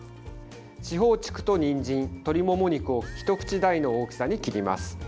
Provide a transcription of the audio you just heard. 四方竹と、にんじん、鶏もも肉を一口大の大きさに切ります。